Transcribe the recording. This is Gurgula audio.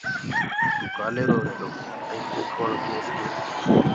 توٚ ڪآلي روهيروئي ائيٚنٚ اُنٚٺ وآݪو ڪيس ڪي